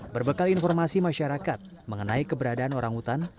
berbekal informasi masyarakat mengenai keberadaan orangutan